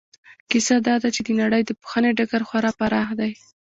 کیسه دا ده چې د نړۍ د پوهنې ډګر خورا پراخ دی.